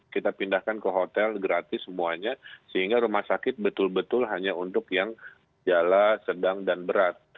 kita pindahkan ke hotel gratis semuanya sehingga rumah sakit betul betul hanya untuk yang jala sedang dan berat